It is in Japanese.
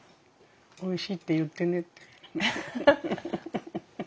おいしいって言ってねって。